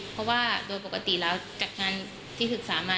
เพราะว่าโดยปกติแล้วจากงานที่ศึกษามา